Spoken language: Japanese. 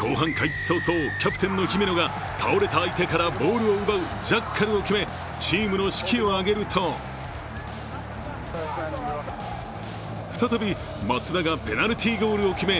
後半開始早々、キャプテンの姫野が倒れた相手からボールを奪うジャッカルを決め、チームの士気を上げると再び松田がペナルティーゴールを決め